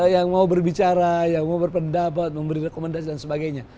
yang mau berbicara yang mau berpendapat memberi rekomendasi dan sebagainya